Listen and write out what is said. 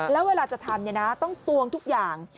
แล้วเวลาจะทำต้องตวงทุกอย่าง